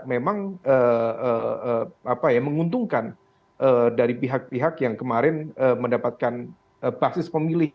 memang menguntungkan dari pihak pihak yang kemarin mendapatkan basis pemilih